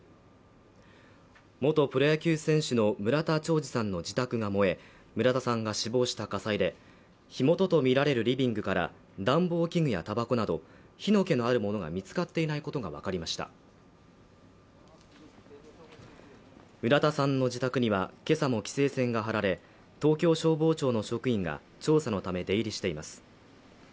元プロ野球選手の村田兆治さんの自宅が燃え村田さんが死亡した火災で火元とみられるリビングから暖房器具やたばこなど火の気のあるものが見つかっていないことが分かりました村田さんの自宅にはけさも規制線が張られ東京消防庁の職員が調査のため出入りしています